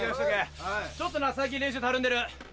ちょっと最近練習たるんでる。